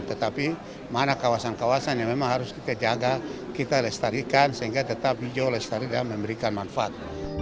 tetapi mana kawasan kawasan yang memang harus kita jaga kita lestarikan sehingga tetap hijau lestari dan memberikan manfaat